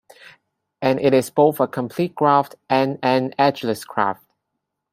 And it is both a complete graph and an edgeless graph.